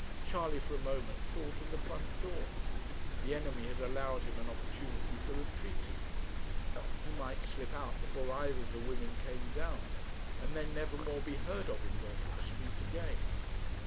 Charley for a moment thought of the front door. The enemy had allowed him an opportunity for retreating. He might slip out before either of the women came down, and then never more be heard of in Norfolk Street again.